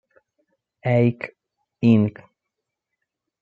Eight Inc.